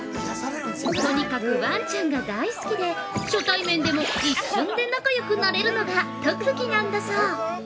とにかくわんちゃんが大好きで初対面でも一瞬で仲よくなれるのが特技なんだそう。